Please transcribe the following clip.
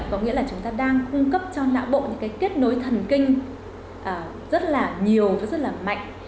có nghĩa là chúng ta đang cung cấp cho não bộ những cái kết nối thần kinh rất là nhiều và rất là mạnh